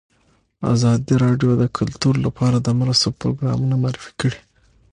ازادي راډیو د کلتور لپاره د مرستو پروګرامونه معرفي کړي.